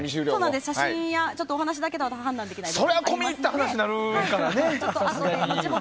写真やお話だけでは判断できないので。